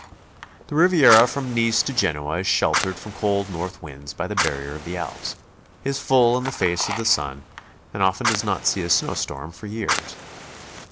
The Riviera from Nice to Genoa is sheltered from cold north winds by the barrier of the Alps, is full in the face of the sun, and often does not see a snow storm for years.